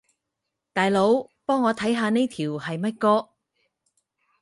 大佬，幫我看下呢條係乜歌